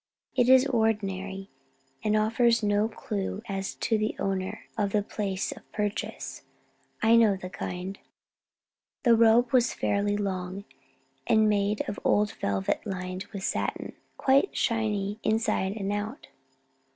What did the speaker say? It is ordinary, and offers no clue as to the owner or the place of purchase. I know the kind." The robe was fairly long, and made of old velvet lined with satin, quite shiny inside and out.